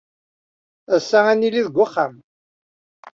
Ass-a, ad nili deg uxxam.